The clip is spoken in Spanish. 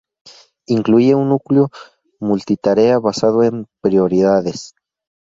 Incluía un núcleo multitarea basado en prioridades.